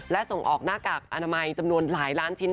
และส่งออกหน้ากากอนามัยจำนวนหลายล้านชิ้น